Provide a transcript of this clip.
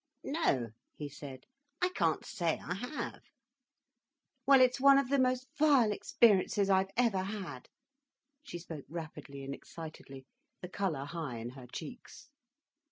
"No," he said, "I can't say I have." "Well, it's one of the most vile experiences I've ever had." She spoke rapidly and excitedly, the colour high in her cheeks.